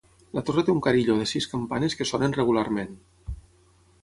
La torre té un carilló de sis campanes que sonen regularment.